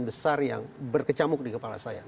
besar yang berkecamuk di kepala saya